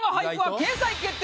掲載決定！